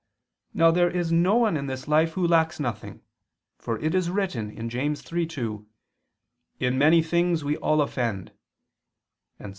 Now there is no one in this life who lacks nothing; for it is written (James 3:2): "In many things we all offend"; and (Ps.